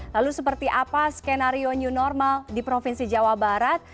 lalu seperti apa skenario new normal di provinsi jawa barat